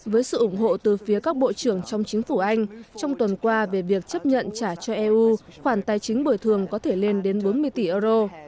với sự ủng hộ từ phía các bộ trưởng trong chính phủ anh trong tuần qua về việc chấp nhận trả cho eu khoản tài chính bồi thường có thể lên đến bốn mươi tỷ euro